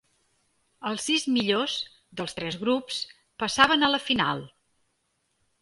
Els sis millors, dels tres grups, passaven a la final.